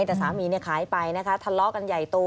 แต่สามีเนี่ยขายไปนะคะทะเลาะกันใหญ่โต